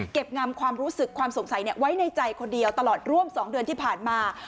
งามความรู้สึกความสงสัยไว้ในใจคนเดียวตลอดร่วม๒เดือนที่ผ่านมา